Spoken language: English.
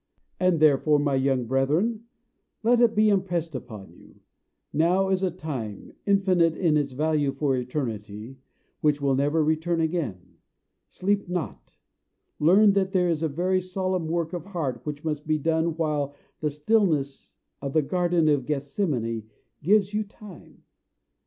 And therefore, my young brethren, let it be impressed upon you, now is a time, infinite in its value for eternity, which will never return again. Sleep not; learn that there is a very solemn work of heart which must be done while the stillness of the garden of Gethsemane gives you time.